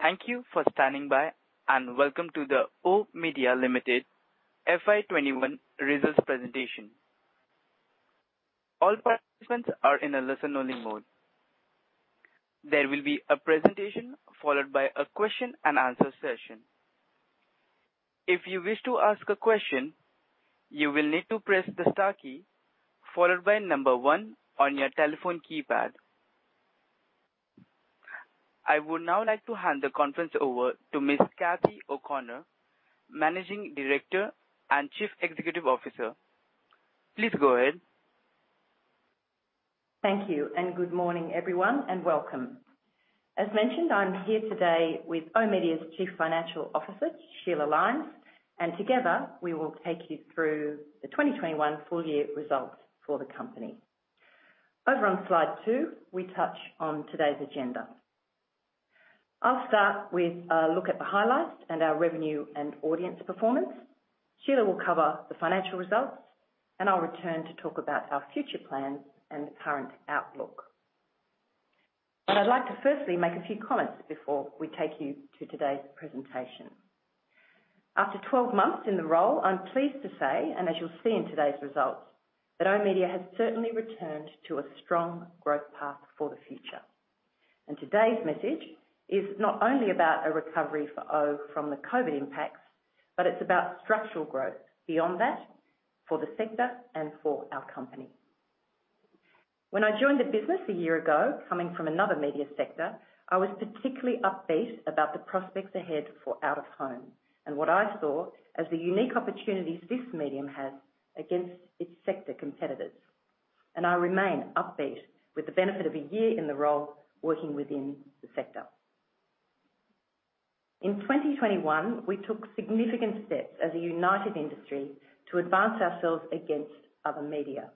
Thank you for standing by, and welcome to the oOh!media Limited FY 2021 results presentation. All participants are in a listen-only mode. There will be a presentation followed by a question and answer session. If you wish to ask a question, you will need to press the star key followed by number one on your telephone keypad. I would now like to hand the conference over to Ms. Cathy O'Connor, Managing Director and Chief Executive Officer. Please go ahead. Thank you, and good morning, everyone, and welcome. As mentioned, I'm here today with oOh!media's Chief Financial Officer, Sheila Lines, and together we will take you through the 2021 full year results for the company. Over on slide 2, we touch on today's agenda. I'll start with a look at the highlights and our revenue and audience performance. Sheila will cover the financial results, and I'll return to talk about our future plans and the current outlook. I'd like to firstly make a few comments before we take you to today's presentation. After 12 months in the role, I'm pleased to say, and as you'll see in today's results, that oOh!media has certainly returned to a strong growth path for the future. Today's message is not only about a recovery for oOh!media from the COVID impacts, but it's about structural growth beyond that for the sector and for our company. When I joined the business a year ago, coming from another media sector, I was particularly upbeat about the prospects ahead for out-of-home and what I saw as the unique opportunities this medium has against its sector competitors. I remain upbeat with the benefit of a year in the role working within the sector. In 2021 we took significant steps as a united industry to advance ourselves against other media.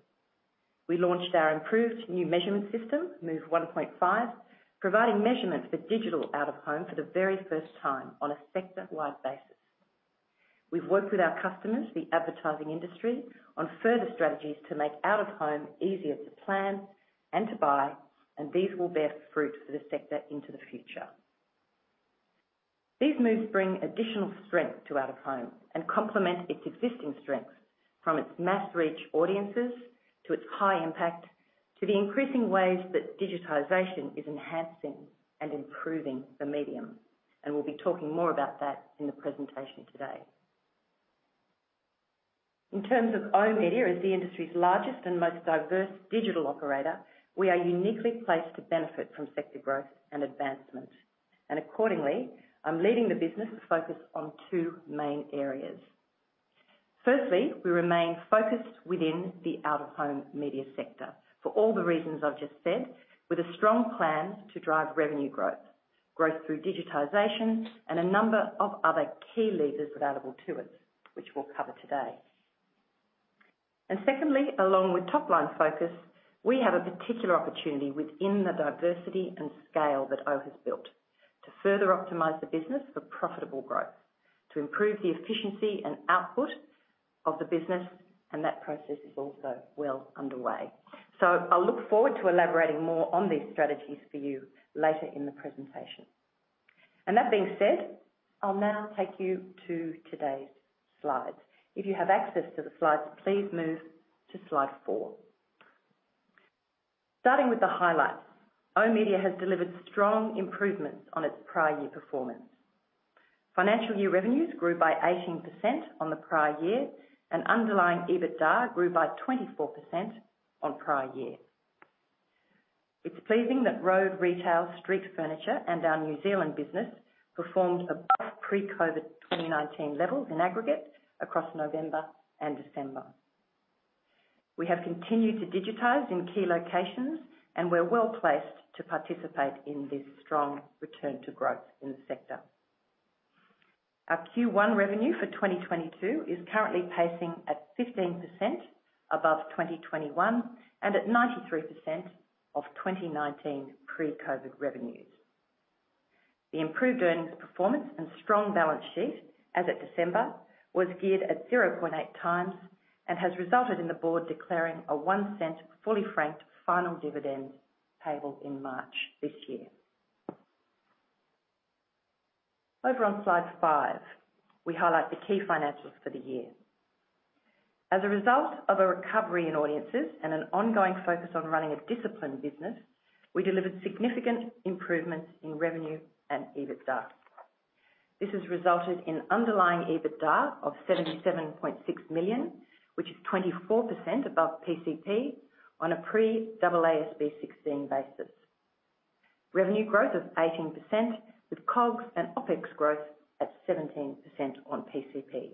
We launched our improved new measurement system, MOVE 1.5, providing measurement for digital out-of-home for the very first time on a sector-wide basis. We've worked with our customers, the advertising industry, on further strategies to make out-of-home easier to plan and to buy, and these will bear fruit for the sector into the future. These moves bring additional strength to out-of-home and complement its existing strengths, from its mass reach audiences to its high impact, to the increasing ways that digitization is enhancing and improving the medium. We'll be talking more about that in the presentation today. In terms of oOh!media as the industry's largest and most diverse digital operator, we are uniquely placed to benefit from sector growth and advancement. Accordingly, I'm leading the business focused on two main areas. Firstly, we remain focused within the out-of-home media sector for all the reasons I've just said, with a strong plan to drive revenue growth through digitization and a number of other key levers available to us, which we'll cover today. Secondly, along with top-line focus, we have a particular opportunity within the diversity and scale that oOh!media has built to further optimize the business for profitable growth, to improve the efficiency and output of the business, and that process is also well underway. I look forward to elaborating more on these strategies for you later in the presentation. That being said, I'll now take you to today's slides. If you have access to the slides, please move to slide 4. Starting with the highlights. oOh!media has delivered strong improvements on its prior year performance. Financial year revenues grew by 18% on the prior year, and underlying EBITDA grew by 24% on prior year. It's pleasing that road retail, street furniture, and our New Zealand business performed above pre-COVID 2019 levels in aggregate across November and December. We have continued to digitize in key locations, and we're well-placed to participate in this strong return to growth in the sector. Our Q1 revenue for 2022 is currently pacing at 15% above 2021 and at 93% of 2019 pre-COVID revenues. The improved earnings performance and strong balance sheet as of December was geared at 0.8x and has resulted in the board declaring a 0.01 fully franked final dividend payable in March this year. Over on slide 5, we highlight the key financials for the year. As a result of a recovery in audiences and an ongoing focus on running a disciplined business, we delivered significant improvements in revenue and EBITDA. This has resulted in underlying EBITDA of 77.6 million, which is 24% above PCP on a pre-AASB 16 basis. Revenue growth of 18% with COGS and OpEx growth at 17% on PCP.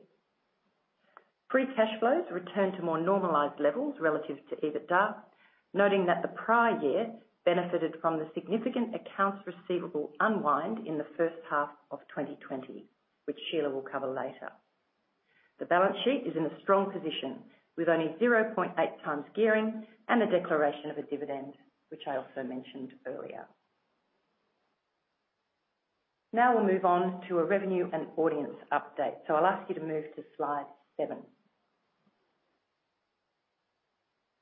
Free cash flows return to more normalized levels relative to EBITDA, noting that the prior year benefited from the significant accounts receivable unwind in the first half of 2020, which Sheila will cover later. The balance sheet is in a strong position with only 0.8x gearing and a declaration of a dividend, which I also mentioned earlier. Now we'll move on to a revenue and audience update. I'll ask you to move to slide 7.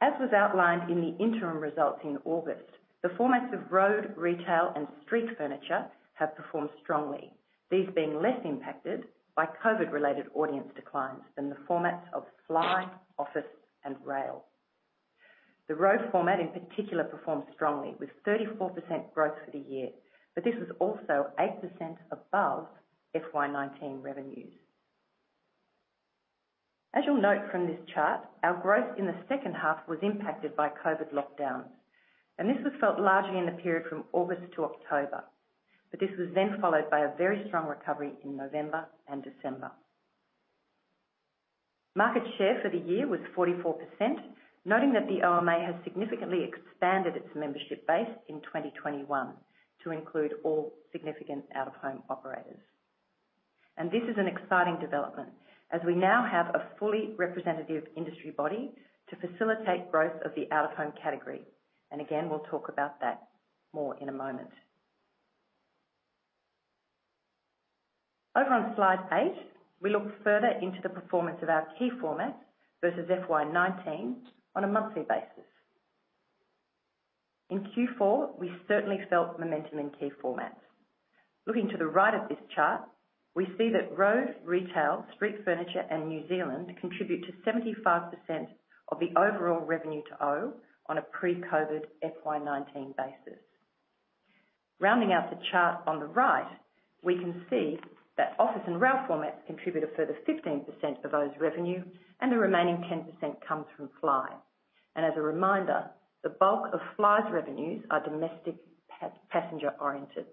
As was outlined in the interim results in August, the formats of road, retail and street furniture have performed strongly. These being less impacted by COVID-related audience declines than the formats of fly, office and rail. The road format, in particular, performed strongly with 34% growth for the year, but this was also 8% above FY 2019 revenues. As you'll note from this chart, our growth in the second half was impacted by COVID lockdowns, and this was felt largely in the period from August to October, but this was then followed by a very strong recovery in November and December. Market share for the year was 44%, noting that the OMA has significantly expanded its membership base in 2021 to include all significant out-of-home operators. This is an exciting development as we now have a fully representative industry body to facilitate growth of the out-of-home category. Again, we'll talk about that more in a moment. Over on slide 8, we look further into the performance of our key formats versus FY 2019 on a monthly basis. In Q4, we certainly felt momentum in key formats. Looking to the right of this chart, we see that road, retail, street furniture, and New Zealand contribute to 75% of the overall revenue to O, on a pre-COVID FY 2019 basis. Rounding out the chart on the right, we can see that office and route formats contribute a further 15% of O's revenue and the remaining 10% comes from fly. As a reminder, the bulk of fly's revenues are domestic passenger oriented.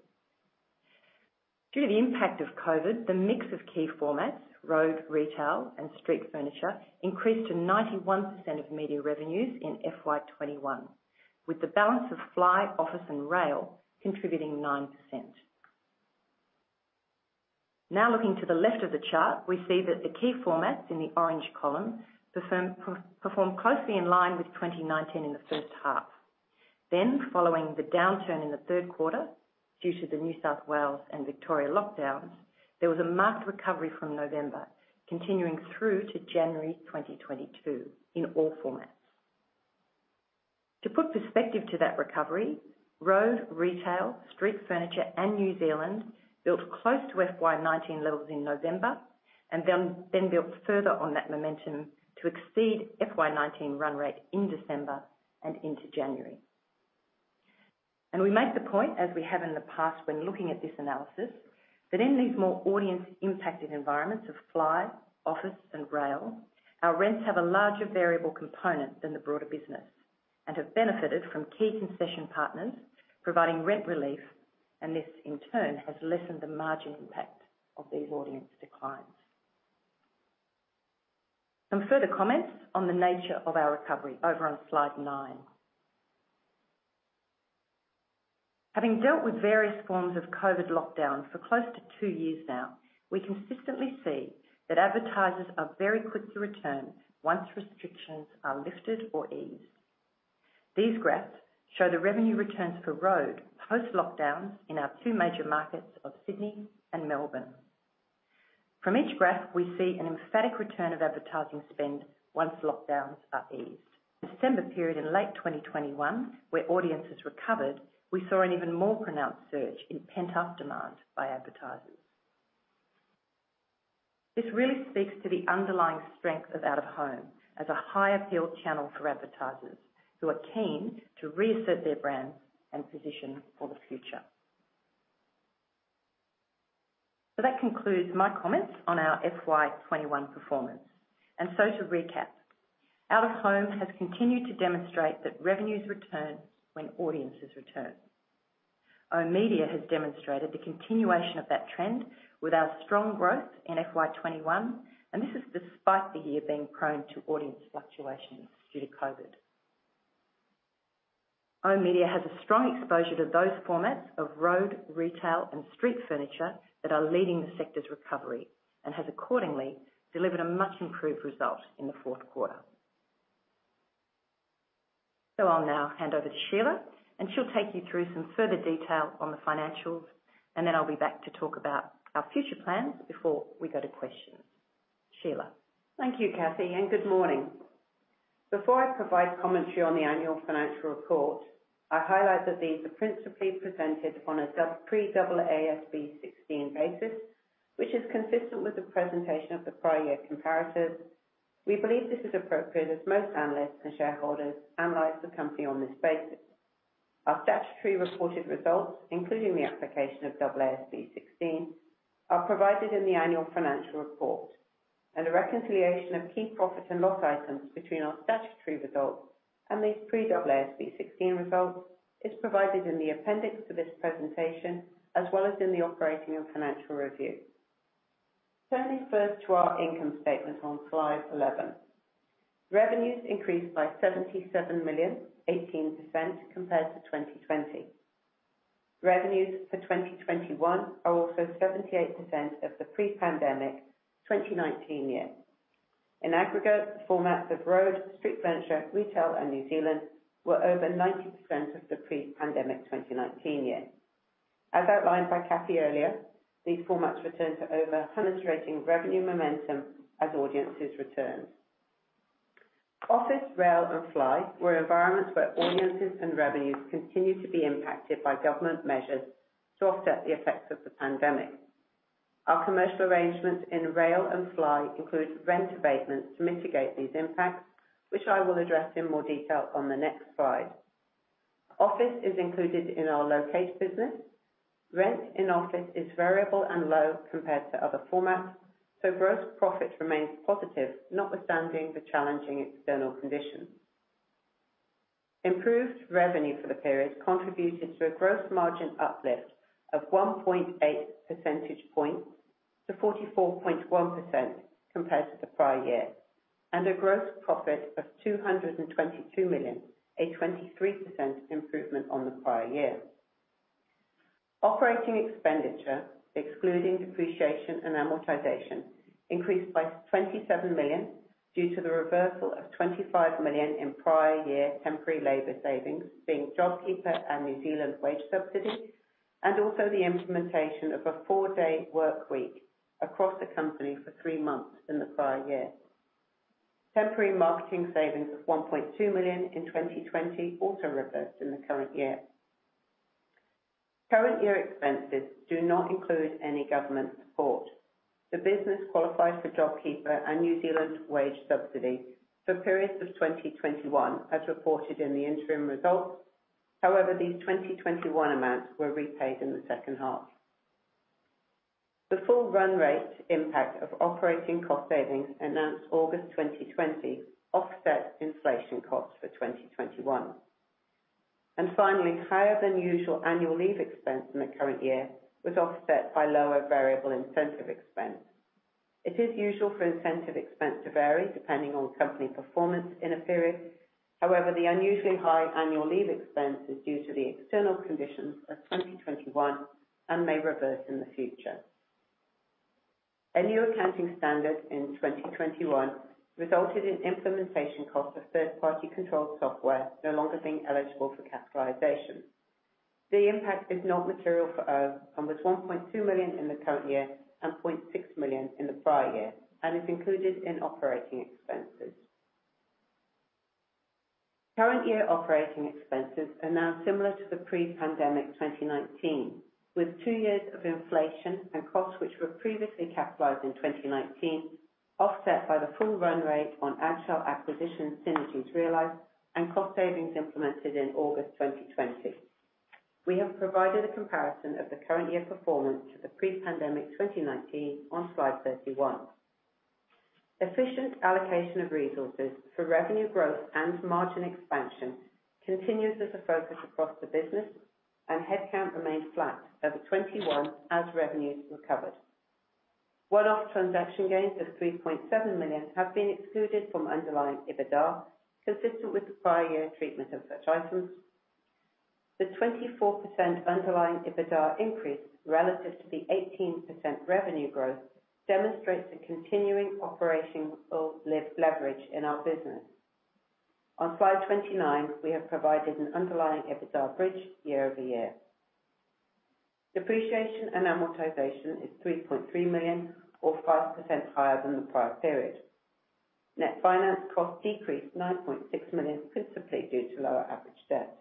Due to the impact of COVID, the mix of key formats, road, retail, and street furniture increased to 91% of media revenues in FY 2021, with the balance of fly, office and rail contributing 9%. Now, looking to the left of the chart, we see that the key formats in the orange column perform closely in line with 2019 in the first half. Following the downturn in the third quarter due to the New South Wales and Victoria lockdowns, there was a marked recovery from November, continuing through to January 2022 in all formats. To put perspective to that recovery, road, retail, street furniture and New Zealand built close to FY 2019 levels in November and then built further on that momentum to exceed FY 2019 run rate in December and into January. We make the point, as we have in the past when looking at this analysis, that in these more audience-impacted environments of fly, office and rail, our rents have a larger variable component than the broader business and have benefited from key concession partners providing rent relief, and this, in turn, has lessened the margin impact of these audience declines. Some further comments on the nature of our recovery over on slide nine. Having dealt with various forms of COVID lockdown for close to two years now, we consistently see that advertisers are very quick to return once restrictions are lifted or eased. These graphs show the revenue returns for road post-lockdowns in our two major markets of Sydney and Melbourne. From each graph, we see an emphatic return of advertising spend once lockdowns are eased. December period in late 2021, where audiences recovered, we saw an even more pronounced surge in pent-up demand by advertisers. This really speaks to the underlying strength of out-of-home as a high appeal channel for advertisers who are keen to reassert their brands and position for the future. That concludes my comments on our FY 2021 performance. To recap, out-of-home has continued to demonstrate that revenues return when audiences return. oOh!media has demonstrated the continuation of that trend with our strong growth in FY 2021, and this is despite the year being prone to audience fluctuations due to COVID. oOh!media has a strong exposure to those formats of road, retail and street furniture that are leading the sector's recovery and has accordingly delivered a much improved result in the fourth quarter. I'll now hand over to Sheila and she'll take you through some further detail on the financials, and then I'll be back to talk about our future plans before we go to questions. Sheila? Thank you, Cathy, and good morning. Before I provide commentary on the annual financial report, I highlight that these are principally presented on a pre AASB 16 basis, which is consistent with the presentation of the prior year comparatives. We believe this is appropriate as most analysts and shareholders analyze the company on this basis. Our statutory reported results, including the application of AASB 16, are provided in the annual financial report and a reconciliation of key profit and loss items between our statutory results and these pre AASB 16 results is provided in the appendix for this presentation as well as in the operating and financial review. Turning first to our income statement on slide 11. Revenues increased by 77 million, 18% compared to 2020. Revenues for 2021 are also 78% of the pre-pandemic 2019 year. In aggregate, the formats of road, street furniture, retail and New Zealand were over 90% of the pre-pandemic 2019 year. As outlined by Cathy earlier, these formats returned to over 100% revenue momentum as audiences returned. Office, rail, and fly were environments where audiences and revenues continued to be impacted by government measures to offset the effects of the pandemic. Our commercial arrangements in rail and fly include rent abatements to mitigate these impacts, which I will address in more detail on the next slide. Office is included in our locate business. Rent in office is variable and low compared to other formats, so gross profit remains positive notwithstanding the challenging external conditions. Improved revenue for the period contributed to a gross margin uplift of 1.8 percentage points to 44.1% compared to the prior year, and a gross profit of 222 million, a 23% improvement on the prior year. Operating expenditure, excluding depreciation and amortization, increased by 27 million due to the reversal of 25 million in prior year temporary labor savings, being JobKeeper and New Zealand wage subsidy, and also the implementation of a four-day work week across the company for three months in the prior year. Temporary marketing savings of 1.2 million in 2020 also reversed in the current year. Current year expenses do not include any government support. The business qualifies for JobKeeper and New Zealand wage subsidy for periods of 2021 as reported in the interim results. However, these 2021 amounts were repaid in the second half. The full run rate impact of operating cost savings announced August 2020 offset inflation costs for 2021. Finally, higher than usual annual leave expense in the current year was offset by lower variable incentive expense. It is usual for incentive expense to vary depending on company performance in a period. However, the unusually high annual leave expense is due to the external conditions of 2021 and may reverse in the future. A new accounting standard in 2021 resulted in implementation cost of third-party controlled software no longer being eligible for capitalization. The impact is not material for us and was 1.2 million in the current year and 0.6 million in the prior year, and is included in operating expenses. Current year operating expenses are now similar to the pre-pandemic 2019, with two years of inflation and costs which were previously capitalized in 2019, offset by the full run rate on Adshel acquisition synergies realized and cost savings implemented in August 2020. We have provided a comparison of the current year performance to the pre-pandemic 2019 on slide 31. Efficient allocation of resources for revenue growth and margin expansion continues as a focus across the business and headcount remains flat over 2021 as revenues recovered. One-off transaction gains of 3.7 million have been excluded from underlying EBITDA, consistent with the prior year treatment of such items. The 24% underlying EBITDA increase relative to the 18% revenue growth demonstrates the continuing operational leverage in our business. On slide 29, we have provided an underlying EBITDA bridge year-over-year. Depreciation and amortization is 3.3 million or 5% higher than the prior period. Net finance costs decreased 9.6 million, principally due to lower average debt.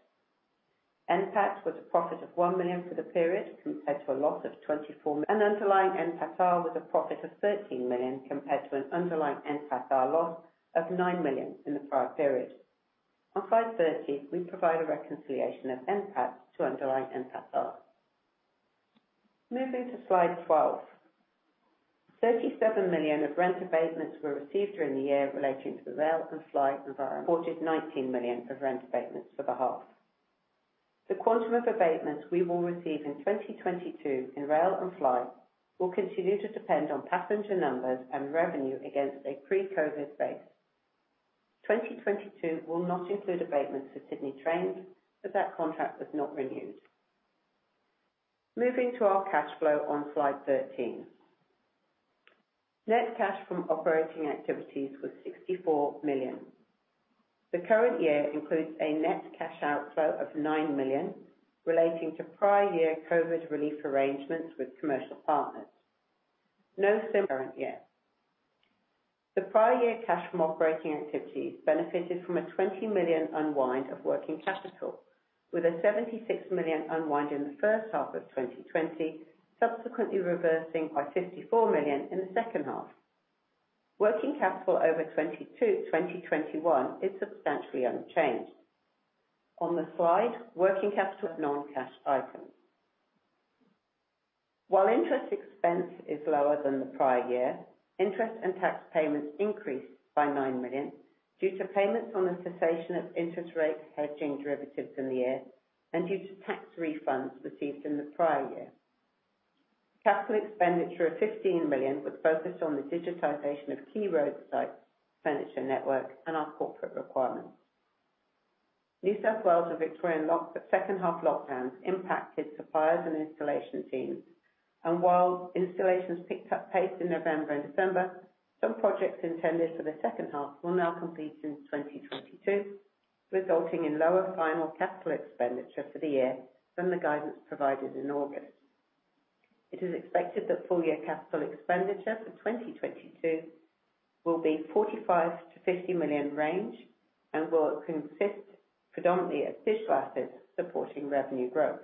NPAT was a profit of 1 million for the period compared to a loss of 24 million, and underlying NPATAR was a profit of 13 million compared to an underlying NPATAR loss of 9 million in the prior period. On slide 30, we provide a reconciliation of NPAT to underlying NPATAR. Moving to slide 12. 37 million of rent abatements were received during the year relating to the rail and fly environment. We reported 19 million of rent abatements for the half. The quantum of abatements we will receive in 2022 in rail and fly will continue to depend on passenger numbers and revenue against a pre-COVID base. 2022 will not include abatements for Sydney Trains, as that contract was not renewed. Moving to our cash flow on slide 13. Net cash from operating activities was 64 million. The current year includes a net cash outflow of 9 million relating to prior year COVID relief arrangements with commercial partners. No similar in current year. The prior year cash from operating activities benefited from a 20 million unwind of working capital with a 76 million unwind in the first half of 2020, subsequently reversing by 54 million in the second half. Working capital over 2022, 2021 is substantially unchanged. On the slide, working capital of non-cash items. While interest expense is lower than the prior year, interest and tax payments increased by 9 million due to payments on the cessation of interest rate hedging derivatives in the year and due to tax refunds received in the prior year. Capital expenditure of 15 million was focused on the digitization of key road sites, existing network, and our corporate requirements. New South Wales and Victorian lockdowns, second half lockdowns, impacted suppliers and installation teams. While installations picked up pace in November and December, some projects intended for the second half will now complete in 2022, resulting in lower final capital expenditure for the year than the guidance provided in August. It is expected that full year capital expenditure for 2022 will be 45-50 million range and will consist predominantly of digital assets supporting revenue growth.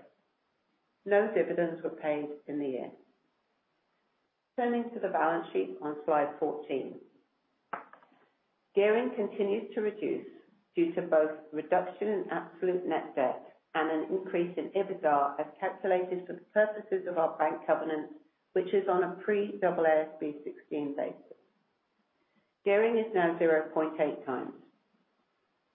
No dividends were paid in the year. Turning to the balance sheet on slide 14. Gearing continues to reduce due to both reduction in absolute net debt and an increase in EBITDA as calculated for the purposes of our bank covenant, which is on a pre-AASB 16 basis. Gearing is now 0.8 times.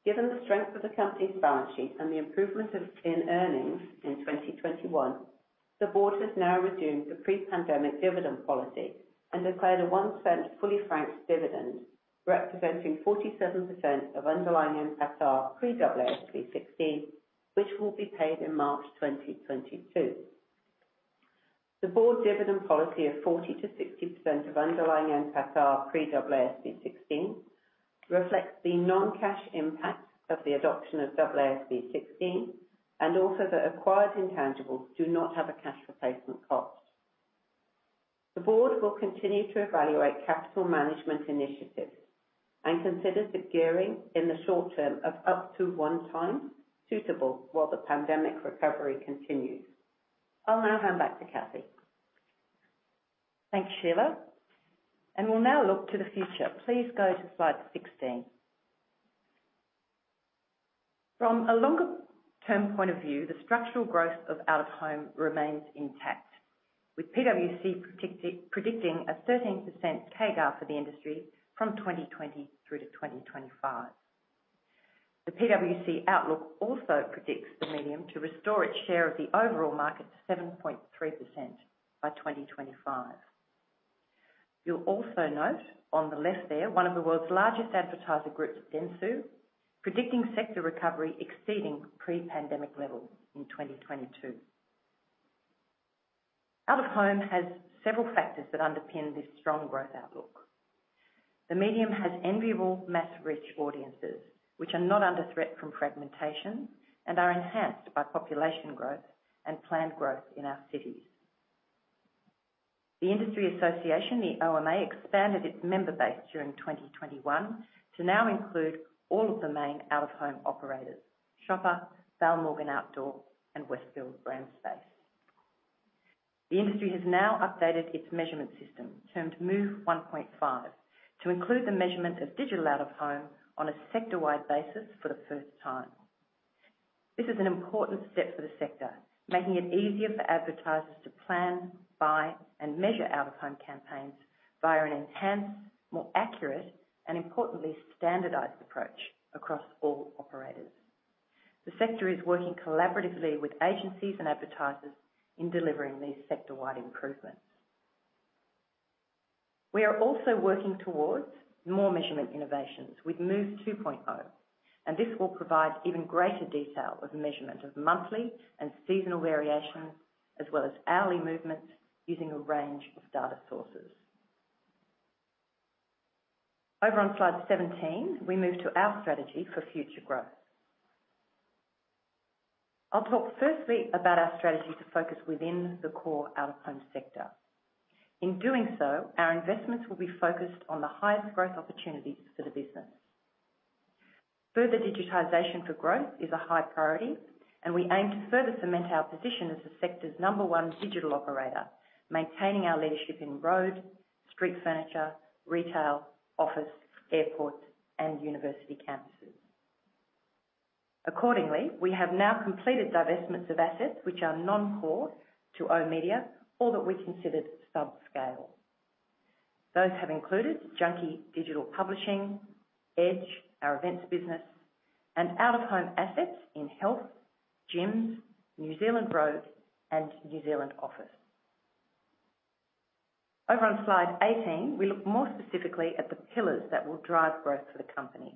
Given the strength of the company's balance sheet and the improvement in earnings in 2021, the board has now resumed the pre-pandemic dividend policy and declared a 0.01 fully franked dividend, representing 47% of underlying NPAT pre-AASB 16, which will be paid in March 2022. The board dividend policy of 40%-60% of underlying NPAT pre-AASB 16 reflects the non-cash impact of the adoption of AASB 16 and also that acquired intangibles do not have a cash replacement cost. The board will continue to evaluate capital management initiatives and consider the gearing in the short term of up to 1 time suitable while the pandemic recovery continues. I'll now hand back to Cathy. Thanks, Sheila. We'll now look to the future. Please go to slide 16. From a longer-term point of view, the structural growth of out-of-home remains intact, with PwC predicting a 13% CAGR for the industry from 2020 through to 2025. The PwC outlook also predicts the medium to restore its share of the overall market to 7.3% by 2025. You'll also note on the left there, one of the world's largest advertiser groups, Dentsu, predicting sector recovery exceeding pre-pandemic levels in 2022. Out-of-home has several factors that underpin this strong growth outlook. The medium has enviable mass-reach audiences, which are not under threat from fragmentation and are enhanced by population growth and planned growth in our cities. The industry association, the OMA, expanded its member base during 2021 to now include all of the main out-of-home operators, Shopper, Val Morgan Outdoor, and Westfield BrandSpace. The industry has now updated its measurement system, termed MOVE 1.5, to include the measurement of digital out-of-home on a sector-wide basis for the first time. This is an important step for the sector, making it easier for advertisers to plan, buy, and measure out-of-home campaigns via an enhanced, more accurate, and importantly, standardized approach across all operators. The sector is working collaboratively with agencies and advertisers in delivering these sector-wide improvements. We are also working towards more measurement innovations with MOVE 2.0, and this will provide even greater detail of measurement of monthly and seasonal variation, as well as hourly movements using a range of data sources. Over on slide 17, we move to our strategy for future growth. I'll talk firstly about our strategy to focus within the core out-of-home sector. In doing so, our investments will be focused on the highest growth opportunities for the business. Further digitization for growth is a high priority, and we aim to further cement our position as the sector's number-one digital operator, maintaining our leadership in road, street furniture, retail, office, airports, and university campuses. Accordingly, we have now completed divestments of assets which are non-core to oOh!media or that we considered subscale. Those have included Junkee Digital publishing, Edge, our events business, and out-of-home assets in health, gyms, New Zealand road, and New Zealand office. Over on slide 18, we look more specifically at the pillars that will drive growth for the company.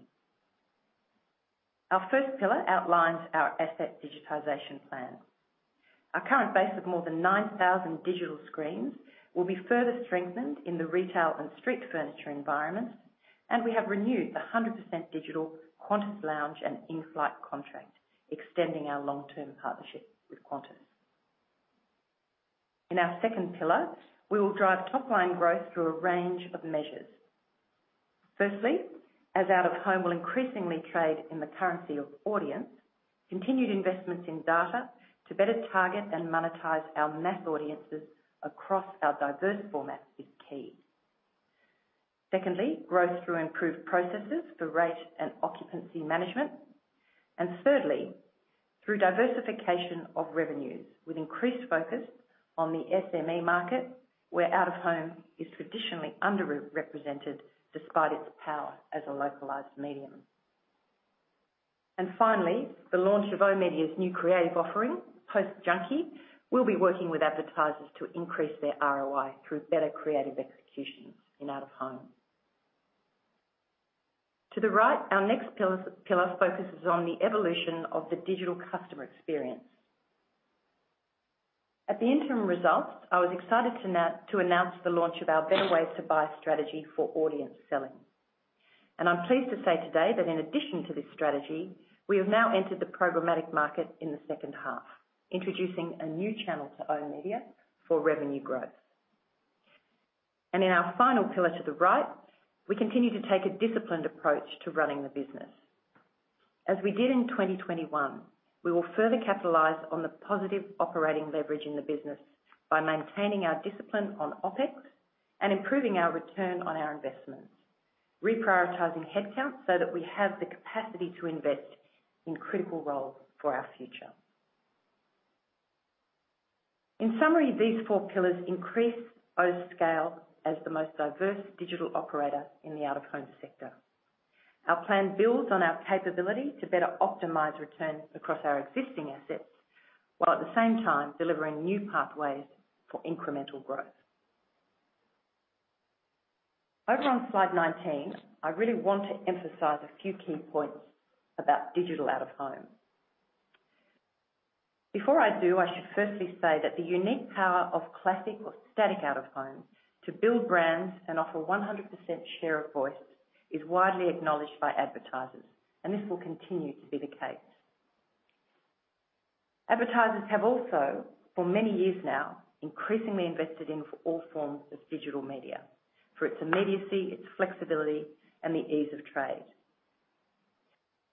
Our first pillar outlines our asset digitization plan. Our current base of more than 9,000 digital screens will be further strengthened in the retail and street furniture environments, and we have renewed the 100% digital Qantas lounge and in-flight contract, extending our long-term partnership with Qantas. In our second pillar, we will drive top-line growth through a range of measures. Firstly, as out-of-home will increasingly trade in the currency of audience, continued investments in data to better target and monetize our mass audiences across our diverse formats is key. Secondly, growth through improved processes for rate and occupancy management. Thirdly, through diversification of revenues with increased focus on the SME market, where out-of-home is traditionally underrepresented despite its power as a localized medium. Finally, the launch of oOh!media's new creative offering, post Junkee, we'll be working with advertisers to increase their ROI through better creative executions in out-of-home. To the right, our next pillar focuses on the evolution of the digital customer experience. At the interim results, I was excited to announce the launch of our Better Ways to Buy strategy for audience selling. I'm pleased to say today that in addition to this strategy, we have now entered the programmatic market in the second half, introducing a new channel to oOh!media for revenue growth. In our final pillar to the right, we continue to take a disciplined approach to running the business. As we did in 2021, we will further capitalize on the positive operating leverage in the business by maintaining our discipline on OpEx and improving our return on our investments, reprioritizing headcount so that we have the capacity to invest in critical roles for our future. In summary, these four pillars increase OOH's scale as the most diverse digital operator in the out-of-home sector. Our plan builds on our capability to better optimize returns across our existing assets, while at the same time delivering new pathways for incremental growth. Over on slide 19, I really want to emphasize a few key points about digital out-of-home. Before I do, I should firstly say that the unique power of classic or static out-of-home to build brands and offer 100% share of voice is widely acknowledged by advertisers, and this will continue to be the case. Advertisers have also, for many years now, increasingly invested in all forms of digital media for its immediacy, its flexibility, and the ease of trade.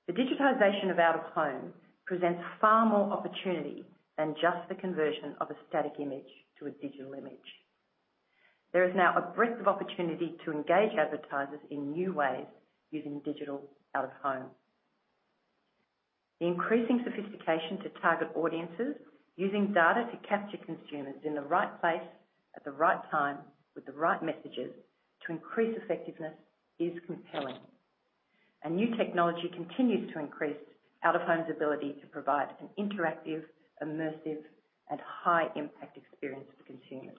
The digitization of out-of-home presents far more opportunity than just the conversion of a static image to a digital image. There is now a breadth of opportunity to engage advertisers in new ways using digital out-of-home. The increasing sophistication to target audiences using data to capture consumers in the right place at the right time with the right messages to increase effectiveness is compelling. New technology continues to increase out-of-home's ability to provide an interactive, immersive, and high impact experience to consumers.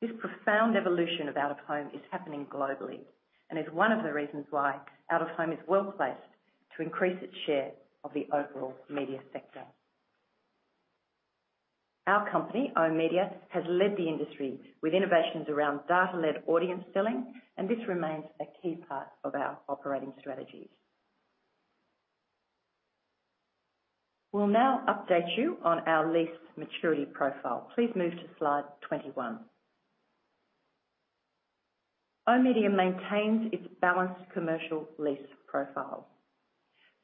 This profound evolution of out-of-home is happening globally and is one of the reasons why out-of-home is well-placed to increase its share of the overall media sector. Our company, oOh!media, has led the industry with innovations around data-led audience selling, and this remains a key part of our operating strategies. We'll now update you on our lease maturity profile. Please move to slide 21. oOh!media maintains its balanced commercial lease profile.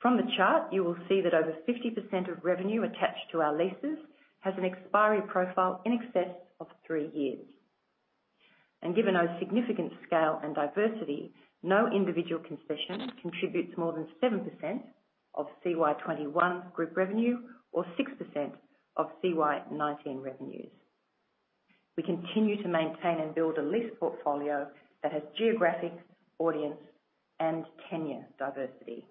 From the chart, you will see that over 50% of revenue attached to our leases has an expiry profile in excess of three years. Given our significant scale and diversity, no individual concession contributes more than 7% of CY 2021 group revenue or 6% of CY 2019 revenues. We continue to maintain and build a lease portfolio that has geographic, audience, and tenure diversity.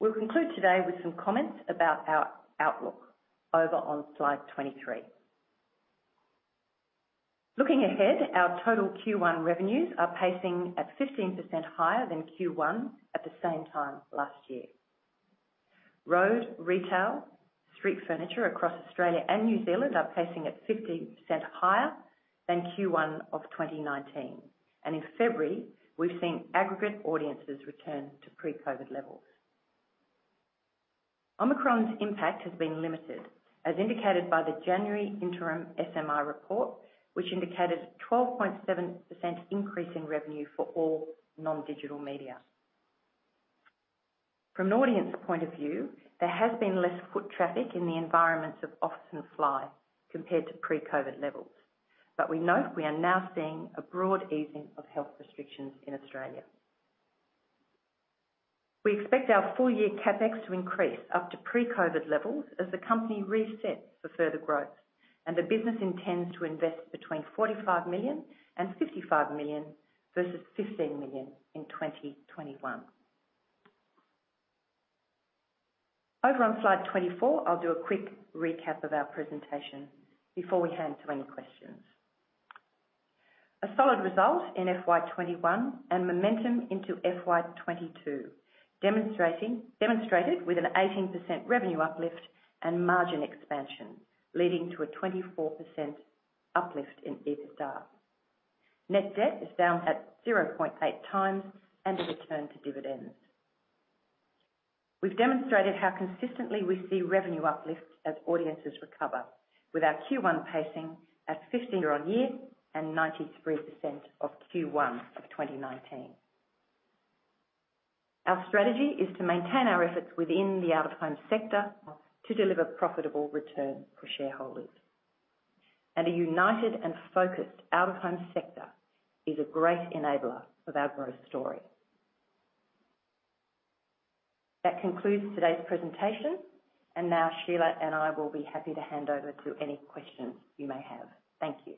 We'll conclude today with some comments about our outlook over on slide 23. Looking ahead, our total Q1 revenues are pacing at 15% higher than Q1 at the same time last year. Road, retail, street furniture across Australia and New Zealand are pacing at 50% higher than Q1 2019. In February, we've seen aggregate audiences return to pre-COVID levels. Omicron's impact has been limited, as indicated by the January interim SMI report, which indicated 12.7% increase in revenue for all non-digital media. From an audience point of view, there has been less foot traffic in the environments of office and fly compared to pre-COVID levels. We note we are now seeing a broad easing of health restrictions in Australia. We expect our full-year CapEx to increase up to pre-COVID levels as the company resets for further growth, and the business intends to invest between 45 million and 55 million versus 15 million in 2021. On slide 24, I'll do a quick recap of our presentation before we hand to any questions. A solid result in FY 2021 and momentum into FY 2022, demonstrated with an 18% revenue uplift and margin expansion, leading to a 24% uplift in EBITDA. Net debt is down at 0.8x and a return to dividends. We've demonstrated how consistently we see revenue uplift as audiences recover with our Q1 pacing at 15% year-on-year and 93% of Q1 of 2019. Our strategy is to maintain our efforts within the out-of-home sector to deliver profitable return for shareholders. A united and focused out-of-home sector is a great enabler of our growth story. That concludes today's presentation, and now Sheila and I will be happy to hand over to any questions you may have. Thank you.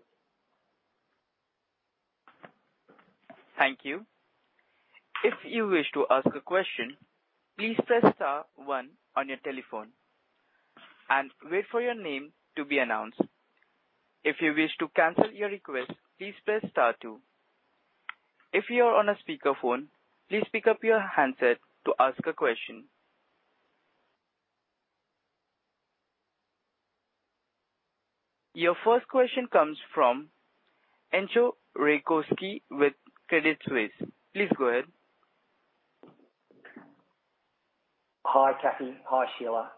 Your first question comes from Entcho Raykovski with Credit Suisse. Please go ahead. Hi, Cathy. Hi, Sheila.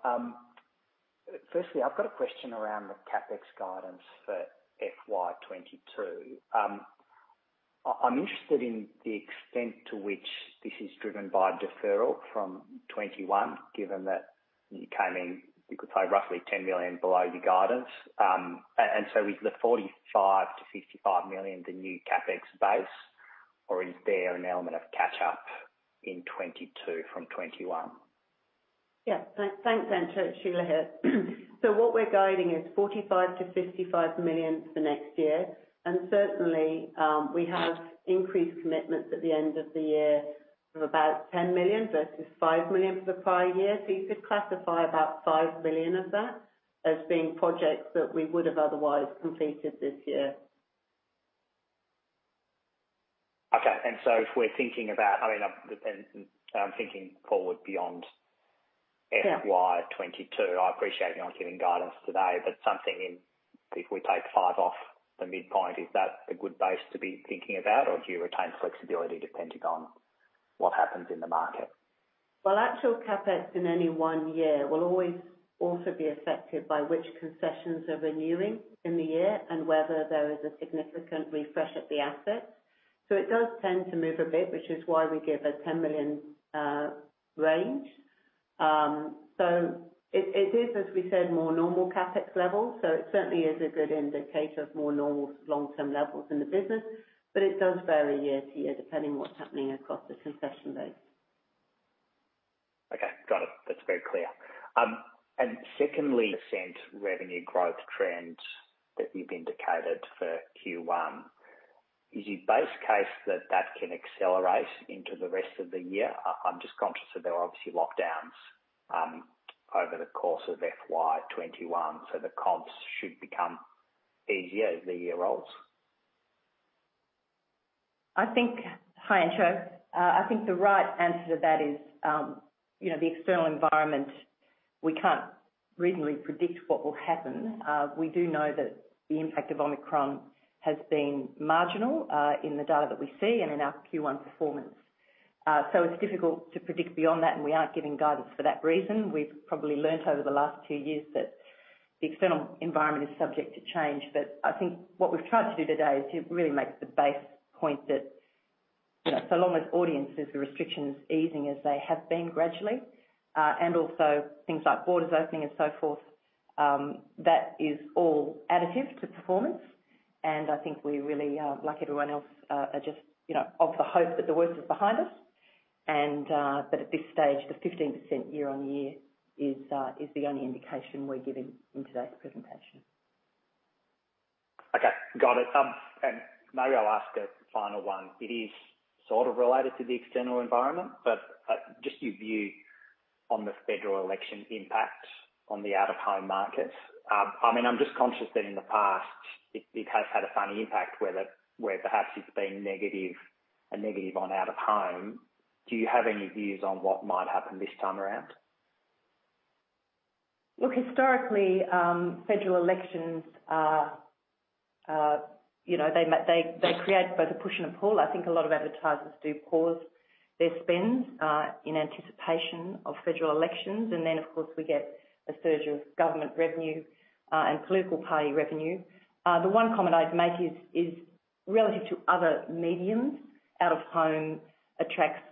Firstly, I've got a question around the CapEx guidance for FY 2022. I'm interested in the extent to which this is driven by deferral from 2021, given that you came in, you could say roughly 10 million below your guidance. And so is the 45 million-55 million the new CapEx base, or is there an element of catch-up in 2022 from 2021? Thanks, Entcho. Sheila here. What we're guiding is 45 million-55 million for next year. Certainly, we have increased commitments at the end of the year of about 10 million versus 5 million for the prior year. You could classify about 5 million of that as being projects that we would have otherwise completed this year. Okay. If we're thinking about, I mean, I'm thinking forward beyond FY 2022. I appreciate you're not giving guidance today, but something in, if we take 5 off the midpoint, is that a good base to be thinking about? Or do you retain flexibility depending on what happens in the market? Well, actual CapEx in any one year will always also be affected by which concessions are renewing in the year and whether there is a significant refresh of the assets. It does tend to move a bit, which is why we give a 10 million range. It is, as we said, more normal CapEx levels, so it certainly is a good indicator of more normal long-term levels in the business, but it does vary year to year, depending what's happening across the concession rates. Okay. Got it. That's very clear. Secondly, ad spend revenue growth trends that you've indicated for Q1. Is your base case that that can accelerate into the rest of the year? I'm just conscious that there are obviously lockdowns over the course of FY 2021, so the comps should become easier as the year rolls. Hi, Entcho. I think the right answer to that is, you know, the external environment, we can't reasonably predict what will happen. We do know that the impact of Omicron has been marginal, in the data that we see and in our Q1 performance. It's difficult to predict beyond that, and we aren't giving guidance for that reason. We've probably learned over the last two years that the external environment is subject to change. I think what we've tried to do today is to really make the base point that, you know, so long as audiences, the restrictions easing as they have been gradually, and also things like borders opening and so forth, that is all additive to performance. I think we really, like everyone else, are just, you know, of the hope that the worst is behind us. At this stage, the 15% year-on-year is the only indication we're giving in today's presentation. Okay. Got it. Maybe I'll ask a final one. It is sort of related to the external environment, but just your view on the federal election impact on the out-of-home market. I mean, I'm just conscious that in the past it has had a funny impact, where perhaps it's been negative, a negative on out-of-home. Do you have any views on what might happen this time around? Look, historically, federal elections are, you know, they create both a push and a pull. I think a lot of advertisers do pause their spends in anticipation of federal elections. Then, of course, we get a surge of government revenue and political party revenue. The one comment I'd make is relative to other mediums, out of home attracts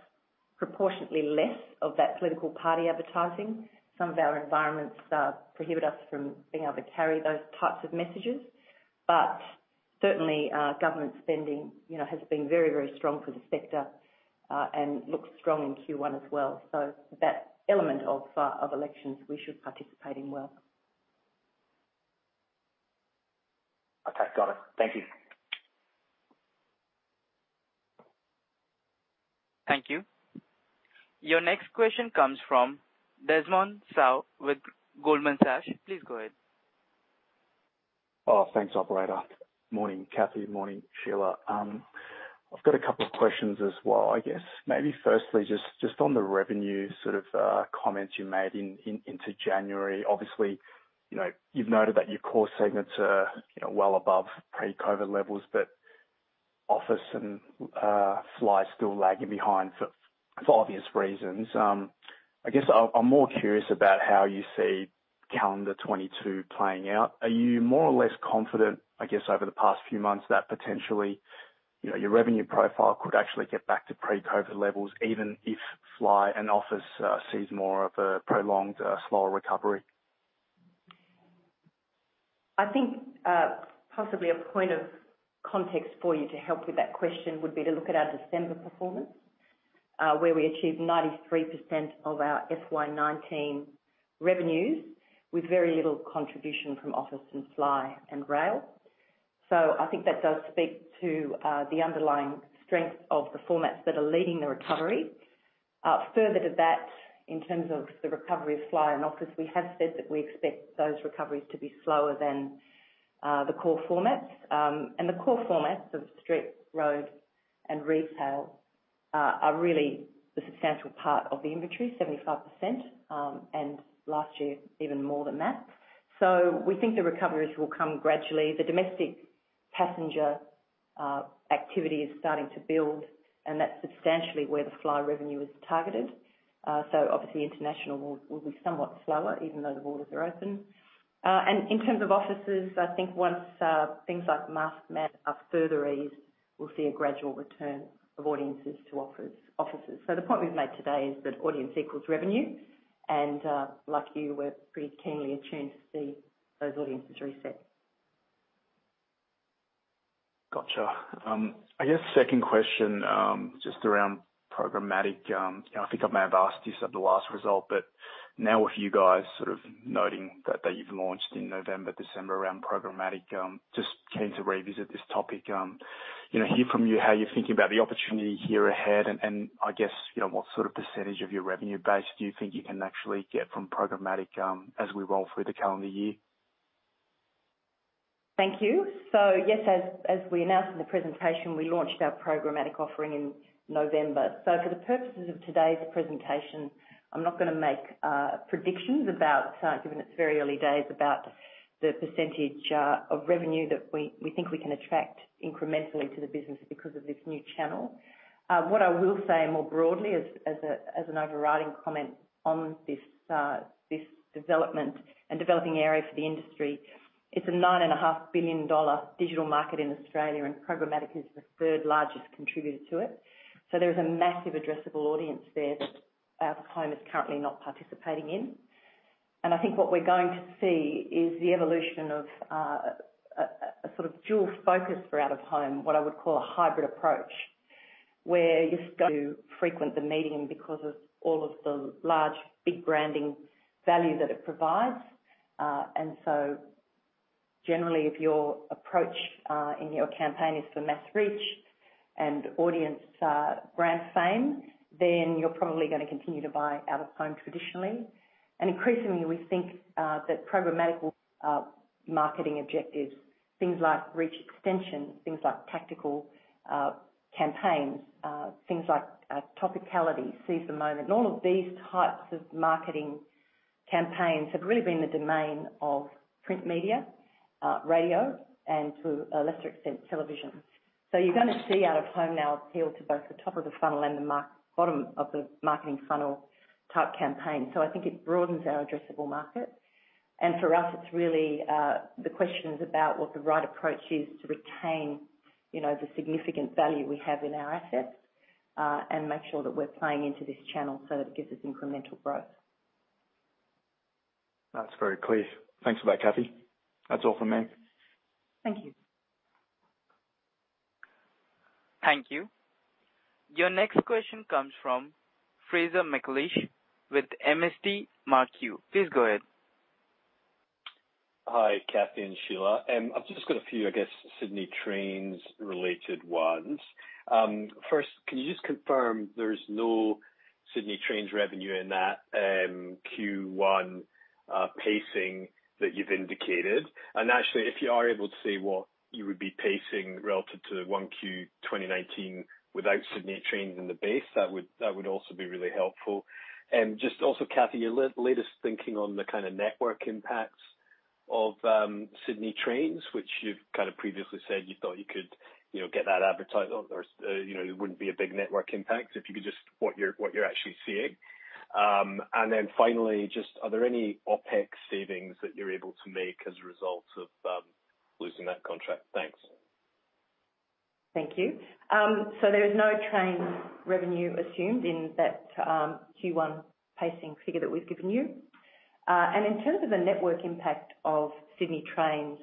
proportionately less of that political party advertising. Some of our environments prohibit us from being able to carry those types of messages. Certainly, government spending, you know, has been very, very strong for the sector and looks strong in Q1 as well. That element of elections we should participate in well. Okay. Got it. Thank you. Thank you. Your next question comes from Desmond Tsao with Goldman Sachs. Please go ahead. Oh, thanks, operator. Morning, Cathy. Morning, Sheila. I've got a couple of questions as well. I guess maybe firstly, just on the revenue sort of comments you made into January. Obviously, you know, you've noted that your core segments are, you know, well above pre-COVID levels, but office and fly still lagging behind for obvious reasons. I guess I'm more curious about how you see calendar 2022 playing out. Are you more or less confident, I guess, over the past few months that potentially, you know, your revenue profile could actually get back to pre-COVID levels, even if fly and office sees more of a prolonged slower recovery? I think possibly a point of context for you to help with that question would be to look at our December performance, where we achieved 93% of our FY 2019 revenues with very little contribution from office and flight and rail. I think that does speak to the underlying strength of the formats that are leading the recovery. Further to that, in terms of the recovery of flight and office, we have said that we expect those recoveries to be slower than the core formats. The core formats of street, road, and retail are really the substantial part of the inventory, 75%, and last year, even more than that. We think the recoveries will come gradually. The domestic passenger activity is starting to build, and that's substantially where the flight revenue is targeted. Obviously international will be somewhat slower even though the borders are open. In terms of offices, I think once things like mask are further eased, we'll see a gradual return of audiences to offices. The point we've made today is that audience equals revenue, and like you, we're pretty keenly attuned to see those audiences reset. Gotcha. I guess second question, just around programmatic. I think I may have asked this at the last result, but now with you guys sort of noting that you've launched in November, December around programmatic, just keen to revisit this topic. You know, hear from you how you're thinking about the opportunity here ahead, and I guess, you know, what sort of percentage of your revenue base do you think you can actually get from programmatic, as we roll through the calendar year? Thank you. Yes, as we announced in the presentation, we launched our programmatic offering in November. For the purposes of today's presentation, I'm not gonna make predictions about, given it's very early days, about the percentage of revenue that we think we can attract incrementally to the business because of this new channel. What I will say more broadly as an overriding comment on this development and developing area for the industry, it's a 9.5 billion dollar digital market in Australia, and programmatic is the third-largest contributor to it. There is a massive addressable audience there that OOH is currently not participating in. I think what we're going to see is the evolution of a sort of dual focus for out-of-home, what I would call a hybrid approach. Where you're just going to frequent the medium because of all of the large, big branding value that it provides. Generally, if your approach in your campaign is for mass reach and audience, brand fame, then you're probably gonna continue to buy out-of-home traditionally. Increasingly, we think that programmatic will marketing objectives, things like reach extension, things like tactical campaigns, things like topicality, seize the moment. All of these types of marketing campaigns have really been the domain of print media, radio, and to a lesser extent, television. You're gonna see out of home now appeal to both the top of the funnel and the bottom of the marketing funnel type campaign. I think it broadens our addressable market. For us, it's really the question is about what the right approach is to retain, you know, the significant value we have in our assets, and make sure that we're playing into this channel so that it gives us incremental growth. That's very clear. Thanks for that, Cathy. That's all from me. Thank you. Thank you. Your next question comes from Fraser McLeish with MST Marquee. Please go ahead. Hi, Cathy and Sheila. I've just got a few, I guess, Sydney Trains-related ones. First, can you just confirm there's no Sydney Trains revenue in that Q1 pacing that you've indicated? Actually, if you are able to say what you would be pacing relative to Q1 2019 without Sydney Trains in the base, that would also be really helpful. Just also, Cathy, your latest thinking on the kind of network impacts of Sydney Trains, which you've kind of previously said you thought you could, you know, get that advertiser, you know, it wouldn't be a big network impact, if you could just what you're actually seeing. Then finally, just are there any OpEx savings that you're able to make as a result of losing that contract? Thanks. Thank you. There is no train revenue assumed in that Q1 pacing figure that we've given you. In terms of the network impact of Sydney Trains,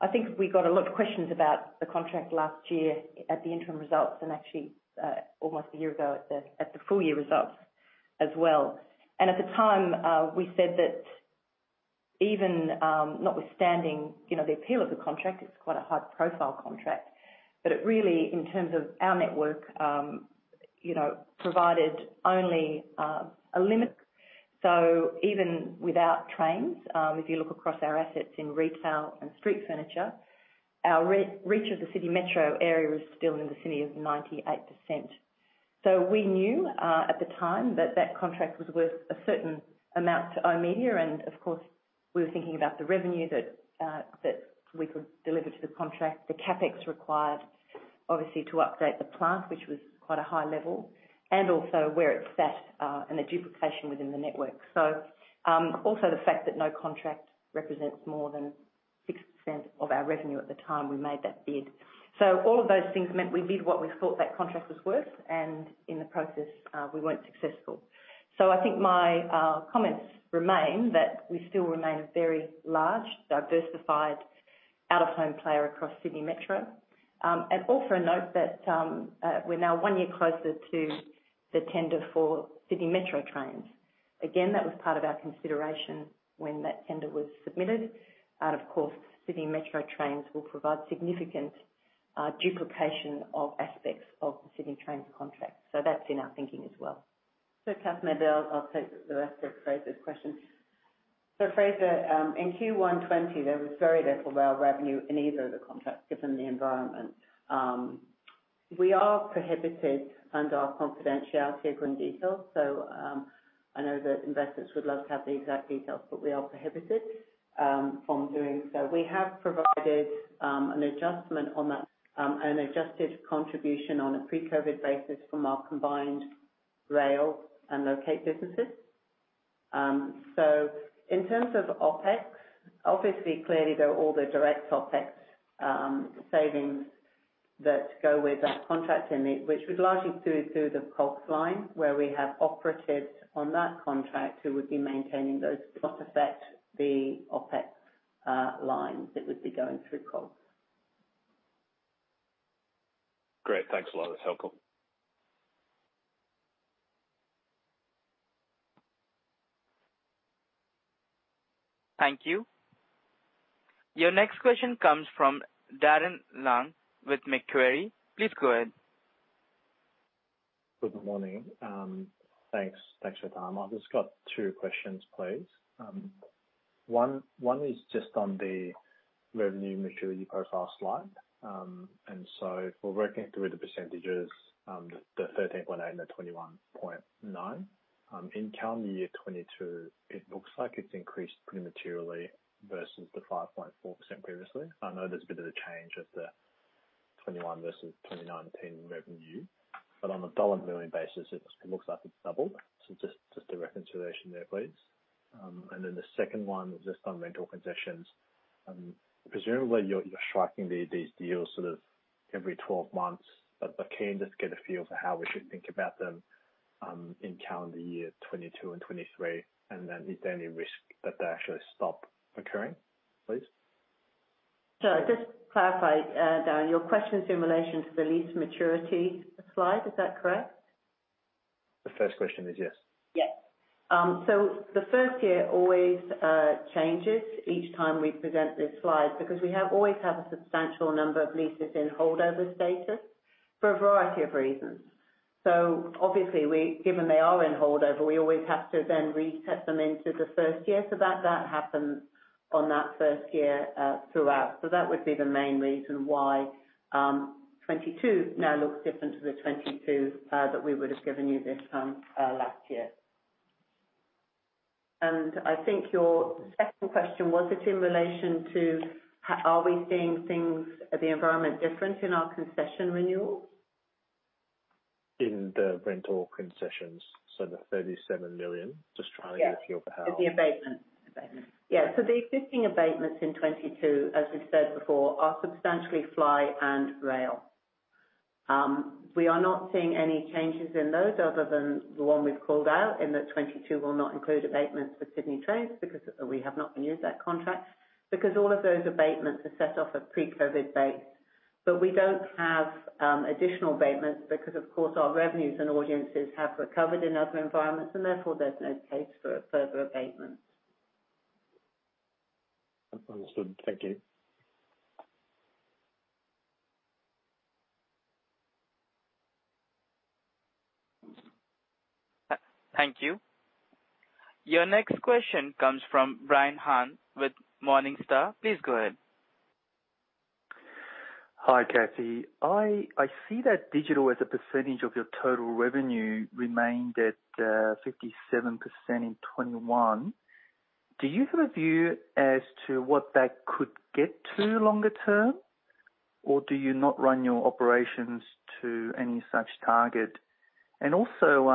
I think we got a lot of questions about the contract last year at the interim results and actually almost a year ago at the full year results as well. At the time, we said that even notwithstanding you know the appeal of the contract, it's quite a high-profile contract, but it really in terms of our network you know provided only a limit. Even without trains, if you look across our assets in retail and street furniture, our reach of the Sydney Metro area is still in the city of 98%. We knew at the time that that contract was worth a certain amount to oOh!media, and of course, we were thinking about the revenue that we could deliver to the contract, the CapEx required, obviously, to update the plant, which was quite a high level, and also where it sat and the duplication within the network. Also the fact that no contract represents more than 6% of our revenue at the time we made that bid. All of those things meant we bid what we thought that contract was worth, and in the process, we weren't successful. I think my comments remain that we still remain a very large, diversified out-of-home player across Sydney Metro. Also a note that we're now one year closer to the tender for Sydney Metro trains. Again, that was part of our consideration when that tender was submitted. Of course, Sydney Metro trains will provide significant duplication of aspects of the Sydney Trains contract. That's in our thinking as well. Cathy O'Connor, I'll take the rest of Fraser's question. Fraser, in Q1 2020, there was very little rail revenue in either of the contracts given the environment. We are prohibited under our confidentiality agreement from detailing. I know that investors would love to have the exact details, but we are prohibited from doing so. We have provided an adjustment on that, an adjusted contribution on a pre-COVID basis from our combined rail and locate businesses. In terms of OpEx, obviously, clearly, there are all the direct OpEx savings that go with that contract in it, which was largely through the COGS line, where we have operatives on that contract who would be maintaining those. It does affect the OpEx lines that would be going through COGS. Great. Thanks a lot. That's helpful. Thank you. Your next question comes from Darren Leung with Macquarie. Please go ahead. Good morning. Thanks for your time. I've just got two questions, please. One is just on the revenue maturity profile slide. We're working through the percentages, the 13.8 and the 21.9. In calendar year 2022, it looks like it's increased pretty materially versus the 5.4% previously. I know there's a bit of a change of the 2021 versus 2019 revenue, but on a dollar million basis, it looks like it's doubled. So just a reconciliation there, please. The second one is just on rental concessions. Presumably you're striking these deals sort of every 12 months, but can you just get a feel for how we should think about them in calendar year 2022 and 2023? Is there any risk that they actually stop occurring, please? Just to clarify, Darren, your question is in relation to the lease maturity slide. Is that correct? The first question is yes. Yes, the first year always changes each time we present this slide because we always have a substantial number of leases in holdover status for a variety of reasons. Obviously, given they are in holdover, we always have to then reset them into the first year. That happens on that first year throughout. That would be the main reason why 2022 now looks different to the 2022 that we would have given you this time last year. I think your second question, was it in relation to how are we seeing the environment different in our concession renewals? In the rental concessions, the 37 million. Just trying to get- Yes. a feel for how Abatements. Yeah, the existing abatements in 2022, as we've said before, are substantially fly and rail. We are not seeing any changes in those other than the one we've called out in that 2022 will not include abatements for Sydney Trains because we have not renewed that contract because all of those abatements are set off at pre-COVID base. We don't have additional abatements because, of course, our revenues and audiences have recovered in other environments, and therefore, there's no case for further abatements. Understood. Thank you. Thank you. Your next question comes from Brian Han with Morningstar. Please go ahead. Hi, Cathy. I see that digital as a percentage of your total revenue remained at 57% in 2021. Do you have a view as to what that could get to longer term, or do you not run your operations to any such target? Also,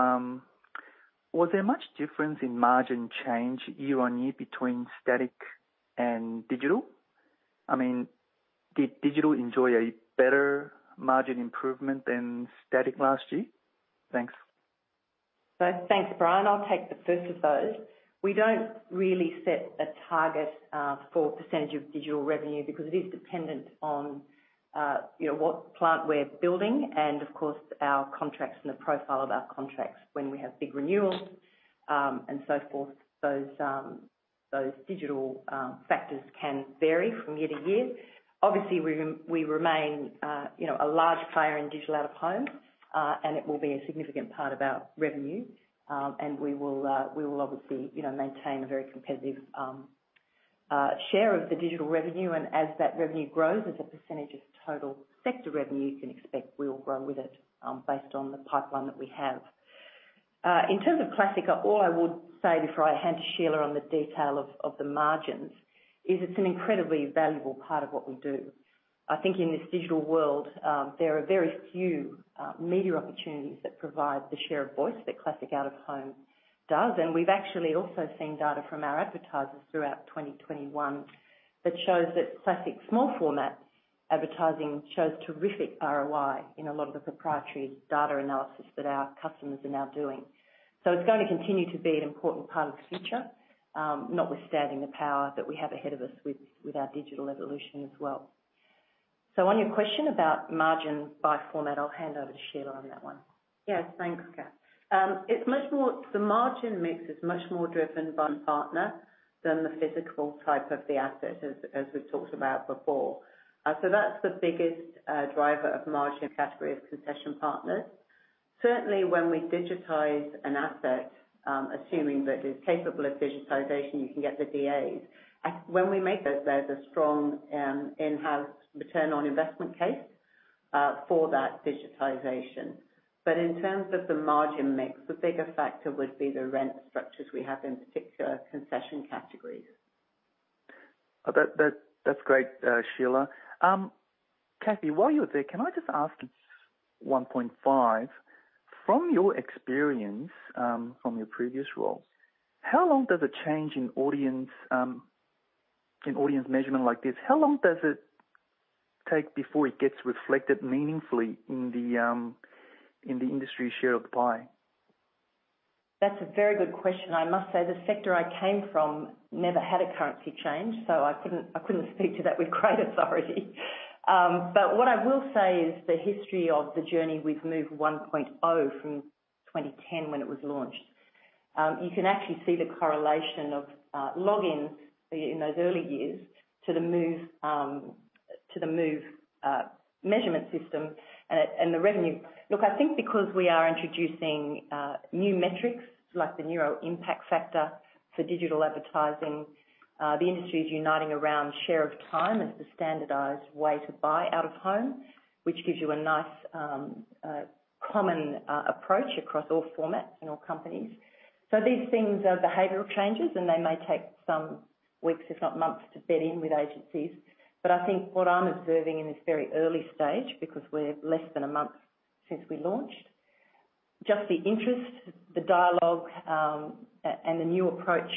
was there much difference in margin change year-on-year between static and digital? I mean, did digital enjoy a better margin improvement than static last year? Thanks. Thanks, Brian. I'll take the first of those. We don't really set a target for percentage of digital revenue because it is dependent on, you know, what plant we're building and of course, our contracts and the profile of our contracts when we have big renewals, and so forth. Those digital factors can vary from year to year. Obviously, we remain, you know, a large player in digital out-of-home, and it will be a significant part of our revenue. We will obviously, you know, maintain a very competitive share of the digital revenue. As that revenue grows as a percentage of total sector revenue, you can expect we'll grow with it, based on the pipeline that we have. In terms of classic, all I would say before I hand to Sheila on the detail of the margins is it's an incredibly valuable part of what we do. I think in this digital world, there are very few media opportunities that provide the share of voice that classic out-of-home does. We've actually also seen data from our advertisers throughout 2021 that shows that classic small format advertising shows terrific ROI in a lot of the proprietary data analysis that our customers are now doing. It's going to continue to be an important part of the future, notwithstanding the power that we have ahead of us with our digital evolution as well. On your question about margin by format, I'll hand over to Sheila on that one. Yes, thanks, Cathy. The margin mix is much more driven by partner than the physical type of the asset, as we've talked about before. That's the biggest driver of margin category of concession partners. Certainly, when we digitize an asset, assuming that it's capable of digitization, you can get the DAs. When we make those, there's a strong in-house return on investment case for that digitization. In terms of the margin mix, the bigger factor would be the rent structures we have in particular concession categories. That's great, Sheila. Cathy, while you're there, can I just ask 1.5. From your experience, from your previous role, how long does a change in audience measurement like this take before it gets reflected meaningfully in the industry share of the pie? That's a very good question. I must say the sector I came from never had a currency change, so I couldn't speak to that with great authority. What I will say is the history of the journey with moved 1.0 from 2010 when it was launched. You can actually see the correlation of lag in those early years to the MOVE measurement system and the revenue. Look, I think because we are introducing new metrics like the Neuro Impact Factor for digital advertising, the industry is uniting around Share of Time as the standardized way to buy out-of-home, which gives you a nice common approach across all formats and all companies. These things are behavioral changes, and they may take some weeks, if not months, to bed in with agencies. I think what I'm observing in this very early stage, because we're less than a month since we launched, just the interest, the dialogue, and the new approach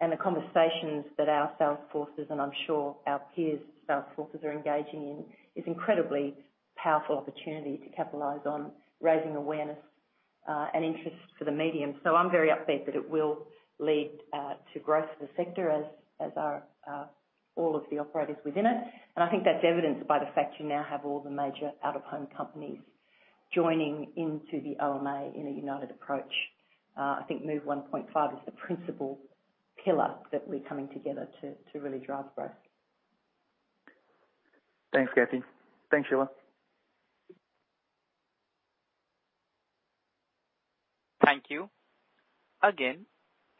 and the conversations that our sales forces, and I'm sure our peers' sales forces are engaging in, is incredibly powerful opportunity to capitalize on raising awareness and interest for the medium. I'm very upbeat that it will lead to growth for the sector as are all of the operators within it. I think that's evidenced by the fact you now have all the major out-of-home companies joining into the OMA in a united approach. I think MOVE 1.5 is the principal pillar that we're coming together to really drive growth. Thanks, Cathy. Thanks, Sheila. Thank you. Again,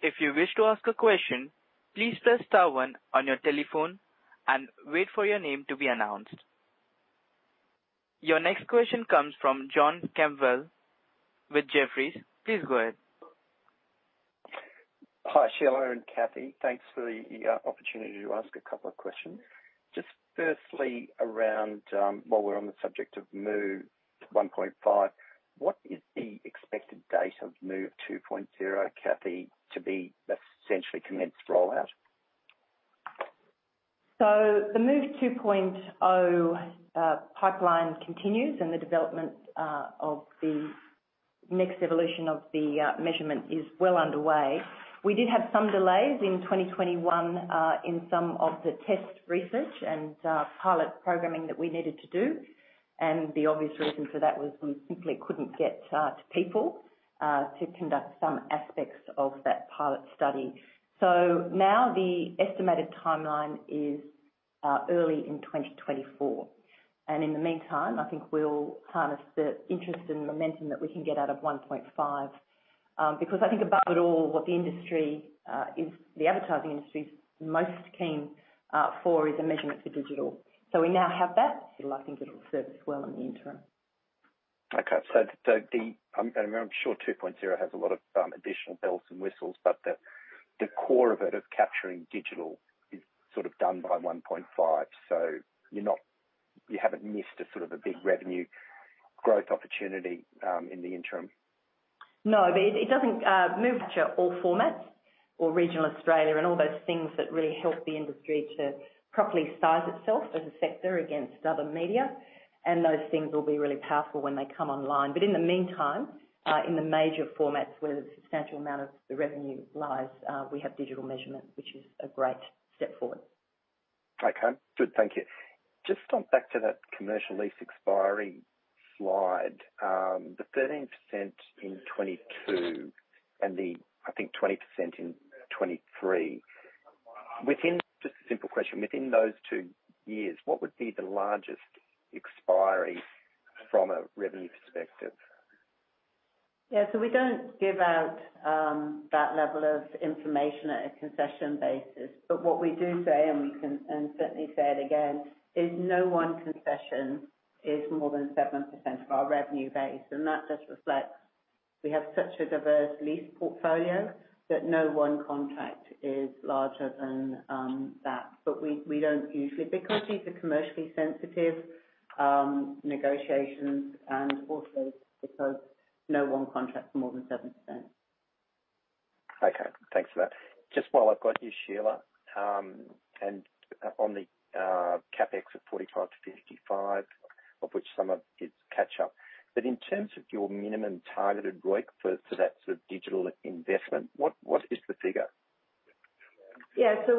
if you wish to ask a question, please press star one on your telephone and wait for your name to be announced. Your next question comes from John Campbell with Jefferies. Please go ahead. Hi, Sheila and Cathy. Thanks for the opportunity to ask a couple of questions. Just firstly around, while we're on the subject of MOVE 1.5, what is the expected date of MOVE 2.0, Cathy, to be essentially commenced rollout? The MOVE 2.0 pipeline continues and the development of the next evolution of the measurement is well underway. We did have some delays in 2021 in some of the test research and pilot programming that we needed to do. The obvious reason for that was we simply couldn't get to people to conduct some aspects of that pilot study. Now the estimated timeline is early in 2024. In the meantime, I think we'll harness the interest and momentum that we can get out of 1.5 because I think above it all, what the industry, the advertising industry, is most keen for is a measurement for digital. We now have that. I think it'll serve us well in the interim. Okay. I'm sure 2.0 has a lot of additional bells and whistles, but the core of it, of capturing digital is sort of done by 1.5. You haven't missed a sort of a big revenue growth opportunity in the interim? No. It doesn't MOVE capture all formats or regional Australia and all those things that really help the industry to properly size itself as a sector against other media. Those things will be really powerful when they come online. In the meantime, in the major formats where the substantial amount of the revenue lies, we have digital measurement, which is a great step forward. Okay, good. Thank you. Just jump back to that commercial lease expiry slide. The 13% in 2022 and the, I think, 20% in 2023. Just a simple question. Within those two years, what would be the largest expiry from a revenue perspective? Yeah. We don't give out that level of information at a concession basis. What we do say, and we can certainly say it again, is no one concession is more than 7% of our revenue base, and that just reflects we have such a diverse lease portfolio that no one contract is larger than that. We don't usually, because these are commercially sensitive negotiations and also because no one contract is more than 7%. Okay. Thanks for that. Just while I've got you, Sheila, and on the CapEx of 45-55, of which some of it's catch up, but in terms of your minimum targeted break for that sort of digital investment, what is the figure?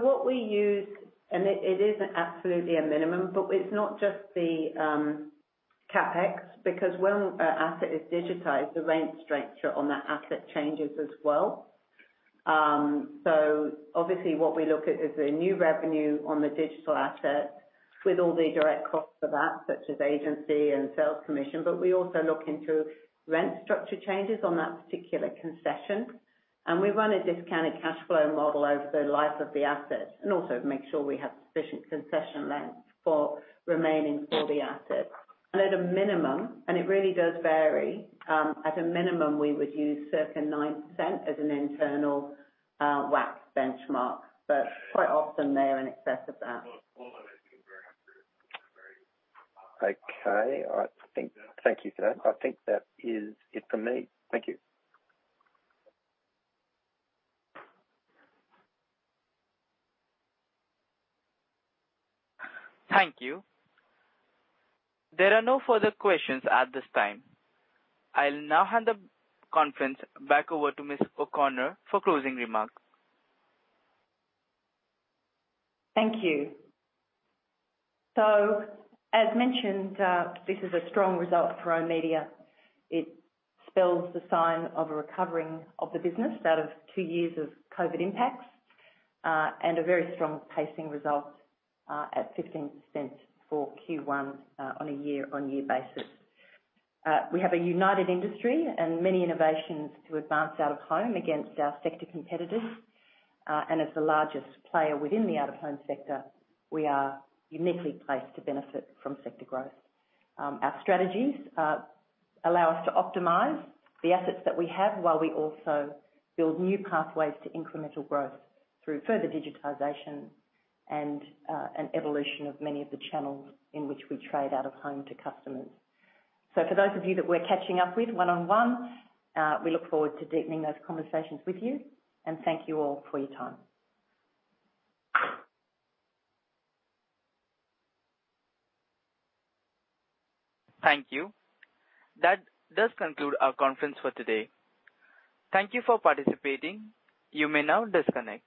What we use, and it is absolutely a minimum, but it's not just the CapEx, because when an asset is digitized, the rent structure on that asset changes as well. Obviously what we look at is the new revenue on the digital asset with all the direct costs of that, such as agency and sales commission. We also look into rent structure changes on that particular concession, and we run a discounted cash flow model over the life of the asset, and also to make sure we have sufficient concession length for remaining for the asset. At a minimum, and it really does vary, at a minimum, we would use circa 9% as an internal WACC benchmark, but quite often they're in excess of that. Okay. All right. Thank you for that. I think that is it for me. Thank you. Thank you. There are no further questions at this time. I'll now hand the conference back over to Ms. O'Connor for closing remarks. Thank you. As mentioned, this is a strong result for oOh!media. It signals a recovery of the business out of two years of COVID impacts, and a very strong pacing result at 15% for Q1 on a year-over-year basis. We have a united industry and many innovations to advance out-of-home against our sector competitors. As the largest player within the out-of-home sector, we are uniquely placed to benefit from sector growth. Our strategies allow us to optimize the assets that we have while we also build new pathways to incremental growth through further digitization and an evolution of many of the channels in which we trade out-of-home to customers. For those of you that we're catching up with one-on-one, we look forward to deepening those conversations with you. Thank you all for your time. Thank you. That does conclude our conference for today. Thank you for participating. You may now disconnect.